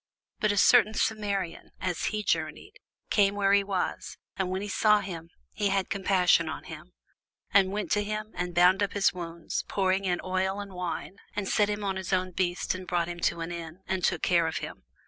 But a certain Samaritan, as he journeyed, came where he was: and when he saw him, he had compassion on him, and went to him, and bound up his wounds, pouring in oil and wine, and set him on his own beast, and brought him to an inn, and took care of him.